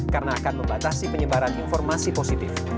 karena akan membatasi penyebaran informasi positif